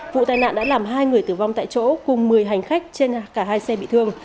vụ tai nạn đã làm hai người tử vong tại chỗ cùng một mươi hành khách trên cả hai xe bị thương